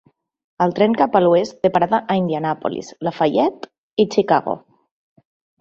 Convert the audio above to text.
El tren cap a l'oest té parada a Indianapolis, Lafayette i Chicago.